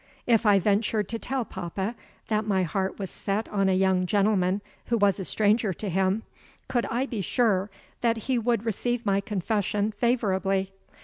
If I ventured to tell papa that my heart was set on a young gentleman who was a stranger to him, could I be sure that he would receive my confession favorably?